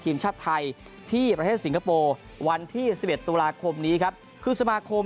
ทีมชาติไทยที่ประเทศสิงคโปร์วันที่๑๑ตุลาคมนี้ครับคือสมาคม